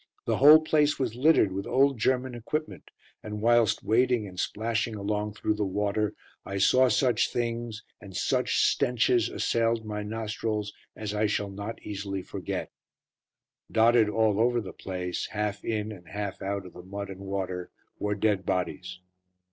The whole place was littered with old German equipment, and whilst wading and splashing along through the water I saw such things, and such stenches assailed my nostrils, as I shall not easily forget. Dotted all over the place, half in and half out of the mud and water, were dead bodies.